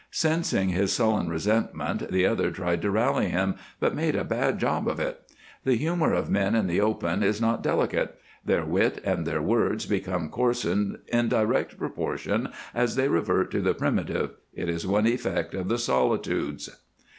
Sensing his sullen resentment, the other tried to rally him, but made a bad job of it. The humor of men in the open is not delicate; their wit and their words become coarsened in direct proportion as they revert to the primitive; it is one effect of the solitudes.